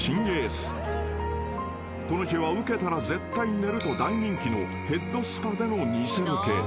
［この日は受けたら絶対に寝ると大人気のヘッドスパでの偽ロケ］